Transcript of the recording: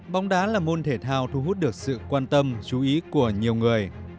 bóng đá là môn thể thao thu hút được sự quan tâm chú ý của nhiều người